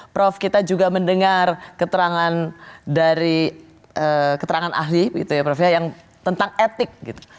prof kita juga mendengar keterangan dari keterangan ahli gitu ya prof ya yang tentang etik gitu